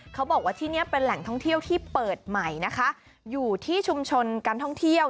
เขาบอกว่าที่นี่เป็นแหล่งท่องเที่ยวที่เปิดใหม่นะคะอยู่ที่ชุมชนการท่องเที่ยว